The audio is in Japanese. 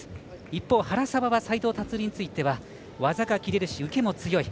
一方、原沢は斉藤立については技がきれるし受けも強い。